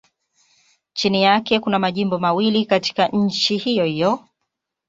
Chini yake kuna majimbo mawili katika nchi hiyohiyo.